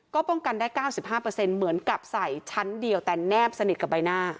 ก็ป้องกันได้๙๕เหมือนกับใส่ชั้นเดียวแต่แนบสนิทกับใบหน้า